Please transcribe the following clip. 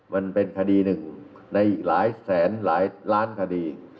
มันเป็นคดีหนึ่งในอีกหลายแสนหลายล้านคดี